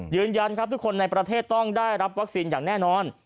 ยืนยันครับทุกคนในประเทศต้องได้รับวัคซีนอย่างแน่นอน